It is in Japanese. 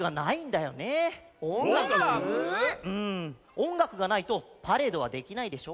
おんがくがないとパレードはできないでしょ。